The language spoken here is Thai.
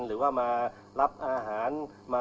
หรือว่ามารับอาหารมา